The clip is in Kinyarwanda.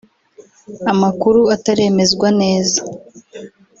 Amakuru ataremezwa neza